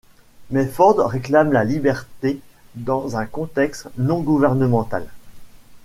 Mais Ford réclame la liberté dans un contexte non gouvernemental.